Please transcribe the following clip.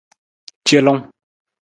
Celung.